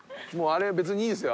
別にいいですよ。